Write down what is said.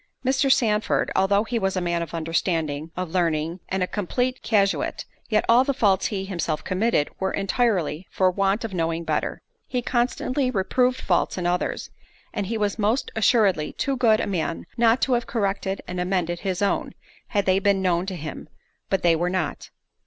Mr. Sandford, although he was a man of understanding, of learning, and a complete casuist, yet all the faults he himself committed, were entirely—for want of knowing better. He constantly reproved faults in others, and he was most assuredly too good a man not to have corrected and amended his own, had they been known to him—but they were not.